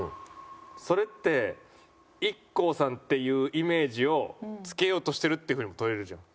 それってＩＫＫＯさんっていうイメージを付けようとしてるっていう風にも取れるじゃん。